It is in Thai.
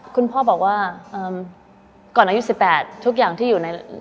คุณพ่อบอกว่าก่อนอายุ๑๘ทุกอย่างที่อยู่ใน